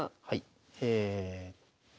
はい。